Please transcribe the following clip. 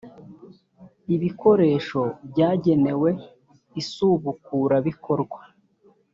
ibikoresho byagenewe isubukurabikorwa .